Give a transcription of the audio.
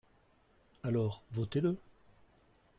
Alors votez-le